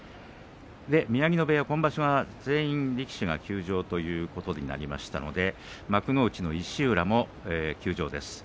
宮城野部屋、今場所は全員力士の休場ということになりましたので幕内の石浦も休場です。